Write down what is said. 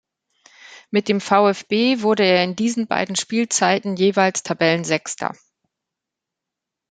Mit dem VfB wurde er in diesen beiden Spielzeiten jeweils Tabellensechster.